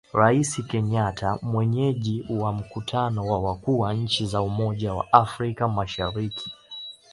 Rais Kenyatta mwenyeji wa mkutano wa wakuu wa nchi za umoja wa afrika mashariki